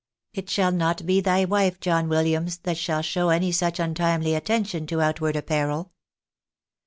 It shall not be thy wife, John Williams, that shall show any such untimely attention to outward apparel."